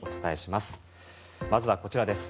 まずはこちらです。